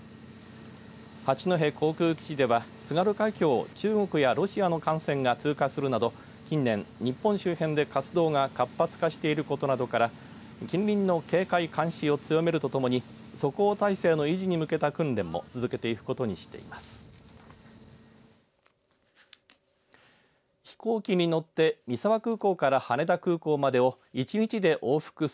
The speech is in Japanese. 八戸航空基地では津軽海峡を中国やロシアの艦船が通過するなど近年、日本周辺で活動が活発化していることなどから近隣の警戒監視を強めるとともに即応体制の維持に向けた訓練も続けていくことにしています。